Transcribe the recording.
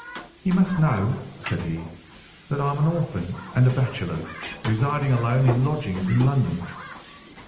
"You must know," said he, "that I am an orphan and a bachelor, residing alone in lodgings in London.